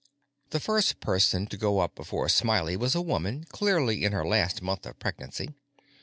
The first person to go up before Smiley was a woman, clearly in her last month of pregnancy.